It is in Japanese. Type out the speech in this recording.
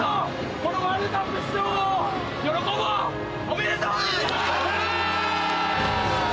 おめでとう！